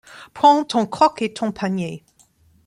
Prends ton croc et ton panier